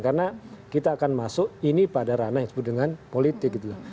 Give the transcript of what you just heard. karena kita akan masuk ini pada ranah yang disebut dengan politik gitu